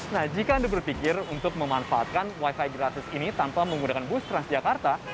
nah jika anda berpikir untuk memanfaatkan wifi gratis ini tanpa menggunakan bus transjakarta